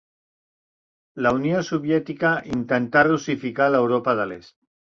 La Unió Soviètica intentà russificar l'Europa de l'Est.